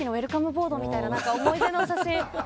ボードみたいな思い出の写真。